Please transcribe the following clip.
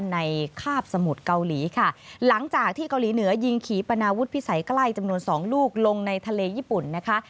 คาบสมุทรเกาหลีค่ะหลังจากที่เกาหลีเหนือยิงขี่ปนาวุฒิพิสัยใกล้จำนวนสองลูกลงในทะเลญี่ปุ่นนะคะ